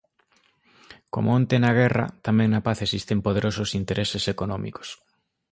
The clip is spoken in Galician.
Como onte na guerra, tamén na paz existen poderosos intereses económicos.